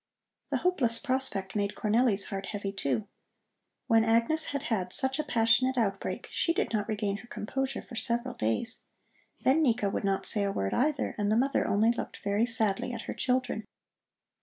The hopeless prospect made Cornelli's heart heavy, too. When Agnes had had such a passionate outbreak, she did not regain her composure for several days. Then Nika would not say a word, either, and the mother only looked very sadly at her children.